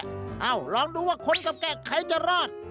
เอ้าลองดูว่าคนกับแกะใครจะรอด